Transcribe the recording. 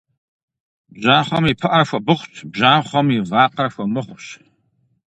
Бжьахъуэм и пыӏэр хуэбыхъущ, бжьахъуэм и вакъэр хуэмыхъущ.